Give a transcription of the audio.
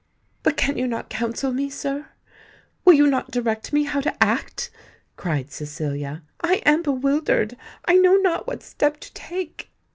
"But can you not counsel me, sir—will you not direct me how to act?" cried Cecilia: "I am bewildered—I know not what step to take!"